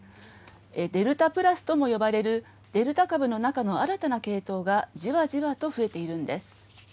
デルタ・プラスとも呼ばれるデルタ株の中の新たな系統がじわじわと増えているんです。